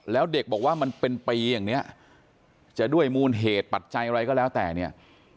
แล้วเด็กบอกว่ามันเป็นปีอย่างนี้จะด้วยมูลเหตุปัจจัยอะไรก็แล้วแต่เนี่ย